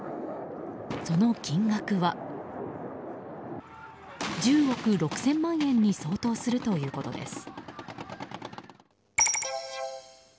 その金額は１０億６０００万円に相当するということです。